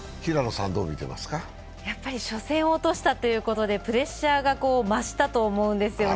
やっぱり初戦を落としたということでプレッシャーが増したと思うんですよね。